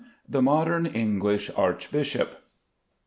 THE MODERN ENGLISH ARCHBISHOP.